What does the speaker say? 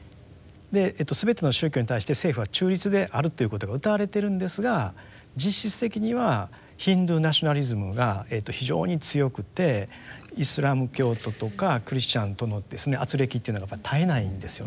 すべての宗教に対して政府は中立であるということが謳われているんですが実質的にはヒンドゥーナショナリズムが非常に強くてイスラム教徒とかクリスチャンとのですね軋轢というのが絶えないんですよね。